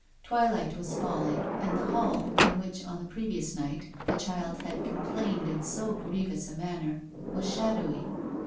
Twilight was falling, and the hall, in which on the previous night the child had complained in so grievous a manner, was shadowy.